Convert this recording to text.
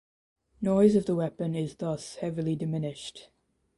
Noise of the weapon is thus heavily diminished.